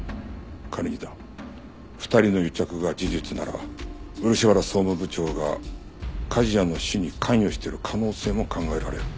仮にだ２人の癒着が事実なら漆原総務部長が梶谷の死に関与してる可能性も考えられる。